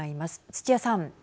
土屋さん。